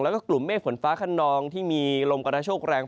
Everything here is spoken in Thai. แล้วก็กลุ่มเมฆฝนฟ้าขนองที่มีลมกระโชคแรง